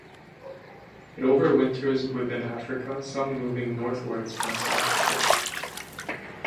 It overwinters within Africa, some moving northwards from South Africa.